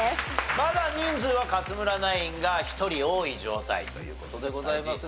まだ人数は勝村ナインが１人多い状態という事でございますが。